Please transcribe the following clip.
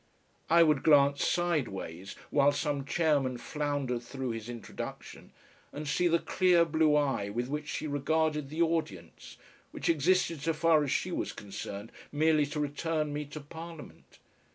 I would glance sideways while some chairman floundered through his introduction and see the clear blue eye with which she regarded the audience, which existed so far as she was concerned merely to return me to Parliament.